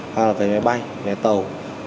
hoặc là về vé bay vé tàu